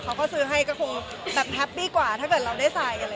เขาซื้อให้ก็คงแฮปปี่กว่าถ้าเกิดเราได้ใส่อะไรอย่างนี้